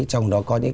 trong đó có những